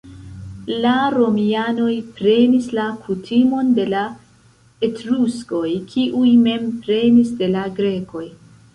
La romianoj prenis la kutimon de la etruskoj, kiuj mem prenis de la grekoj.